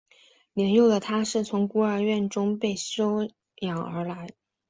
年幼的他是从孤儿院中被收养而来。